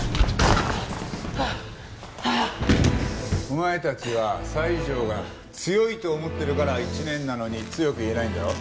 お前たちは西条が強いと思ってるから１年なのに強く言えないんだろ？